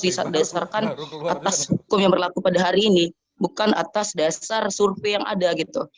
didasarkan atas hukum yang berlaku pada hari ini bukan atas dasar survei yang ada gitu